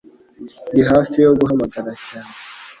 Ndi hafi yo guhamagara cyane.